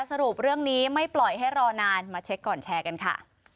สรุปเรื่องนี้ไม่ปล่อยให้รอนานมาเช็คก่อนแชร์กันค่ะ